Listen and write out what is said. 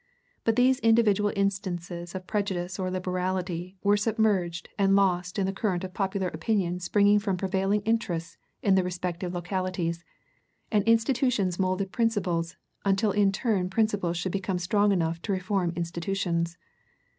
But these individual instances of prejudice or liberality were submerged and lost in the current of popular opinion springing from prevailing interests in the respective localities, and institutions molded principles, until in turn principles should become strong enough to reform institutions.